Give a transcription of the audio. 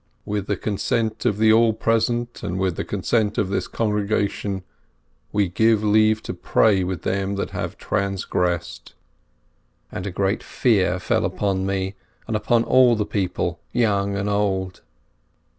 ''With the consent of the All Present and with the consent of this congregation, we give leave to pray with them that have transgressed." And a great fear fell upon me and upon all the people, young and old.